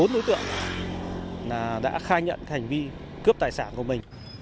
bốn đối tượng đã khai nhận hành vi cướp tài sản của mình